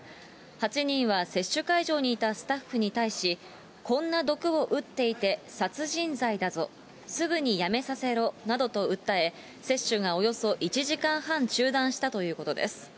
８人は接種会場にいたスタッフに対し、こんな毒をうっていて、殺人罪だぞ、すぐにやめさせろなどと訴え、接種がおよそ１時間半中断したということです。